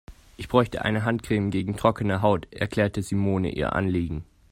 Ich bräuchte eine Handcreme gegen trockene Haut, erklärte Simone ihr Anliegen.